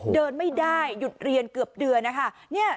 เดินไม่ได้หยุดเรียนเกือบเดือนนะคะ